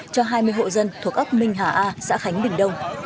cho hai mươi hộ dân thuộc ấp minh hà a xã khánh bình đông